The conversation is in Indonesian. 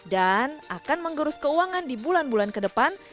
dan akan menggerus keuangan di bulan bulan ke depan